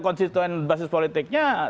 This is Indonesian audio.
konstituen basis politiknya